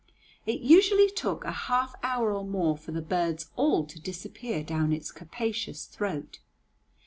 It usually took a half hour or more for the birds all to disappear down its capacious throat.